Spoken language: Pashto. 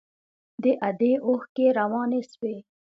د ادې اوښکې روانې سوې.